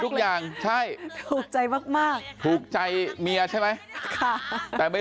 ดูท่าทางฝ่ายภรรยาหลวงประธานบริษัทจะมีความสุขที่สุดเลยนะเนี่ย